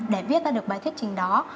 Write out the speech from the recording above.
để viết ra được bài thiết trình đó